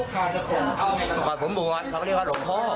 พระอาจารย์บอกว่าผมบวชเขาก็เรียกว่าหลงโภค